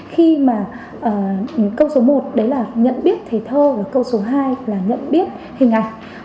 khi mà câu số một đấy là nhận biết thể thơ và câu số hai là nhận biết hình ảnh